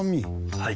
はい。